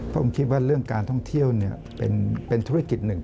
ผมคิดว่าเรื่องการท่องเที่ยวเป็นธุรกิจหนึ่ง